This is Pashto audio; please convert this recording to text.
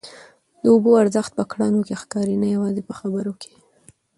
د اوبو ارزښت په کړنو کي ښکاري نه یوازي په خبرو کي.